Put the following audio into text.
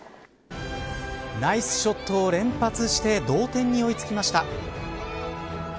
ナイスショットを連発して同点に追いつきました。